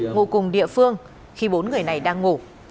ngụ cùng địa phương khi bốn người này đang ngủ